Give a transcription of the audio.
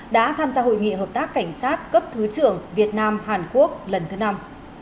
đã tham gia hội nghị hợp tác cảnh sát cấp thứ trưởng việt nam hàn quốc lần thứ năm